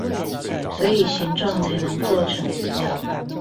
所以形狀才能做成一樣